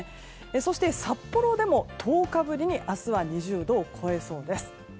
そして札幌でも１０日ぶりに明日は２０度を超えそうです。